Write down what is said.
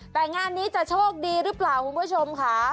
แต่งานนี้จะโชคดีหรือเปล่าคุณผู้ชมค่ะ